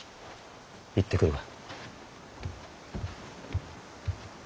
行ってくるわ。